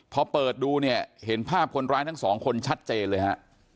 เพราะเปิดดูภาพคนร้ายทั้งสองคนชัดเจนเลย